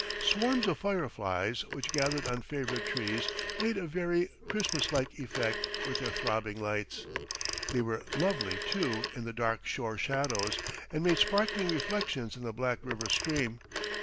Swarms of fireflies, which gathered on favourite trees, made a very Christmas like effect with their throbbing lights. They were lovely, too, in the dark shore shadows, and made sparkling reflections in the black river stream.